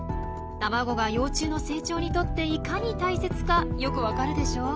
卵が幼虫の成長にとっていかに大切かよくわかるでしょう？